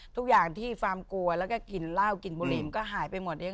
ทุกอย่างที่ฟาร์มกลัวแล้วก็กินเหล้ากินบุรีมันก็หายไปหมดเอง